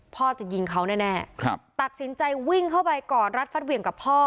พ่อจะยิงเขาแน่ตัดสินใจวิ่งเข้าไปกอดรัดฟัดเหวี่ยงกับพ่อ